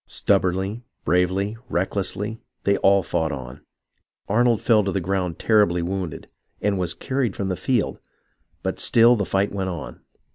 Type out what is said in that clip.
Stubbornly, bravely, recklessly, they all fought on. Arnold fell to the ground terribly wounded, and was carried from the field, but still the fight went on.